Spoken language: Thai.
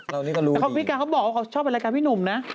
เรานี่ก็รู้ดีพี่กัลเขาบอกว่าเขาชอบเป็นรายการพี่หนุ่มนะ